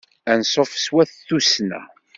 Ansuf s wat tussna.